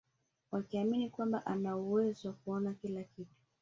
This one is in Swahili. Wakiamini kwamba ana uwezo wa kuona kila kitu